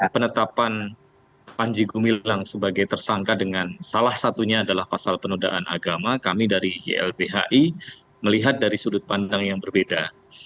penetapan panji gumilang sebagai tersangka dengan salah satunya adalah pasal penodaan agama kami dari ylbhi melihat dari sudut pandang yang berbeda